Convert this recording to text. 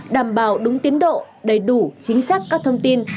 đảm bảo đúng tiến độ đầy đủ chính xác các thông tin